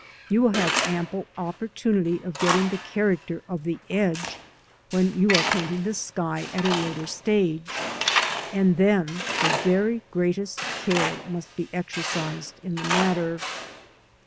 You will have ample opportunity of getting the character of the edge when you are painting the sky at a later stage, and then the very greatest care must be exercised in the matter.